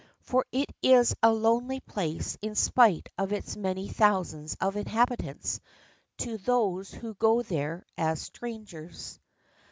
For it is a lonely place in spite of its many thousands of inhabitants to those who go there as strangers.